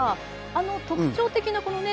特徴的なこのね